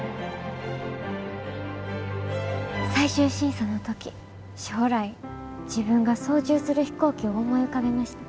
最終審査の時将来自分が操縦する飛行機を思い浮かべました。